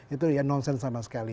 itu ya nonsen sama sekali